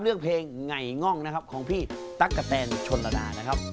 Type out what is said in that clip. เรื่องเพลงไงง่องนะครับของพี่ตั๊กกะแตนชนระดานะครับ